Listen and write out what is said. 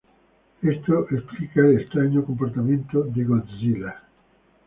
Esto explica el extraño comportamiento de Godzilla.